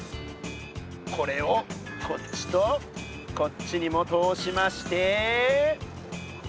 これをこっちとこっちにも通しまして。